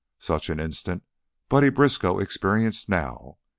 Such an instant Buddy Briskow experienced now.